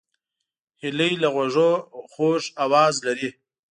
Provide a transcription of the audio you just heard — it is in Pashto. هیلۍ له غوږونو خوږ آواز لري